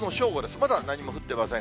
まだ何も降ってません。